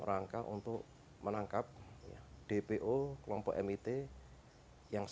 akan menjadi kelepasan